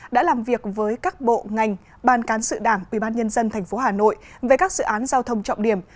đã làm việc với các bộ ngành ban cán sự đảng ubnd tp hà nội về các dự án giao thông trọng điểm